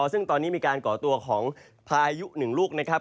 ซึ่งตอนนี้มีการก่อตัวของพายุหนึ่งลูกนะครับ